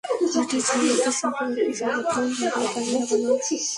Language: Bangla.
ব্রিটিশ-ভারত সম্পর্ককে সর্বোত্তমভাবে কাজে লাগানোর জন্য একত্রে কাজ করতে সাগ্রহে অপেক্ষা করছি।